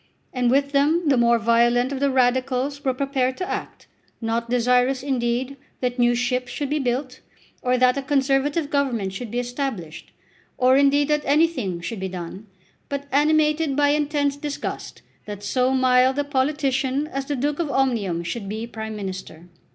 And with them the more violent of the Radicals were prepared to act, not desirous, indeed, that new ships should be built, or that a Conservative Government should be established, or, indeed, that anything should be done, but animated by intense disgust that so mild a politician as the Duke of Omnium should be Prime Minister.